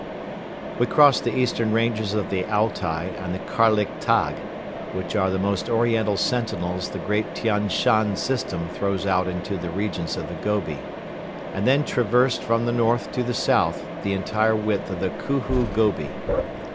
We crossed the eastern ranges of the Altai and the Karlik Tag, which are the most oriental sentinels the great Tian Shan system throws out into the regions of the Gobi; and then traversed from the north to the south the entire width of the Khuhu Gobi.